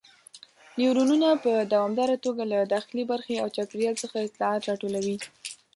نیورونونه په دوامداره توګه له داخلي برخې او چاپیریال څخه اطلاعات راټولوي.